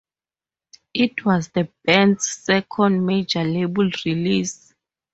It was the band's second major-label release.